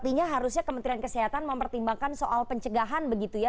sehingga seharusnya kementerian kesehatan mempertimbangkan soal pencegahan begitu ya